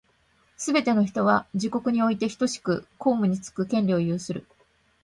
すべて人は、自国においてひとしく公務につく権利を有する。